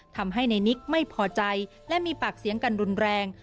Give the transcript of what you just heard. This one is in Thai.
ทำให้ในนิกไม่พอใจและมีปากเสียงกันรุนแรง